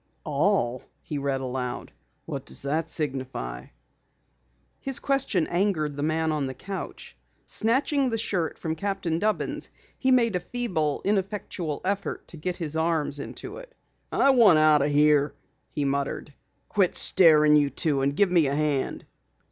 "'All,'" he read aloud. "What does that signify?" His question angered the man on the couch. Snatching the shirt from Captain Dubbins, he made a feeble, ineffectual effort to get his arms into it. "I want out o' here," he muttered. "Quit starin', you two, and give me a hand!"